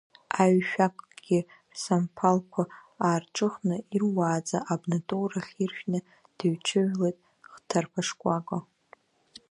Аҩ-шәақькгьы рсамԥалқәа аарҿыхны, ируааӡа абнатоурахь иршәны дыҩҽыжәлеит Хҭарԥа-шкәакәа.